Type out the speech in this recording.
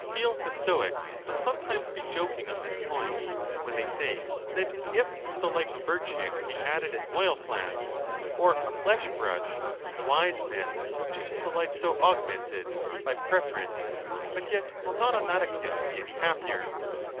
xii xiii the Stoics must sometimes be joking on this point, when they say that if to the life of virtue be added an oil flask or a flesh brush, the Wise Man will choose the life so augmented, by preference, but yet 31 will not on that account be any happier.